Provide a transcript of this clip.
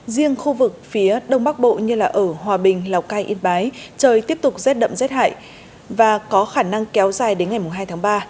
riêng khu vực phía đông bắc bộ như ở hòa bình lào cai yên bái trời tiếp tục rét đậm rét hại và có khả năng kéo dài đến ngày hai tháng ba